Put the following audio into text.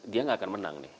dia gak akan menang nih